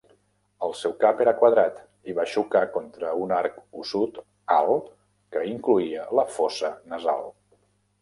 El seu cap era quadrat i va xocar contra un arc ossut alt que incloïa la fossa nasal.